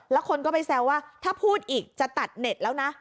แล้วคนก็ไปแซวว่าถ้าพูดอีกจะตัดเน็ตแล้วนะ